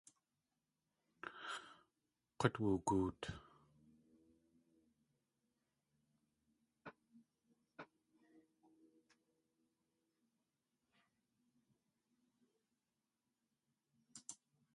K̲ut woogoot.